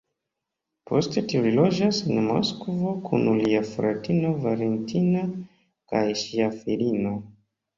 Post tio li loĝas en Moskvo kun lia fratino Valentina kaj ŝia filino.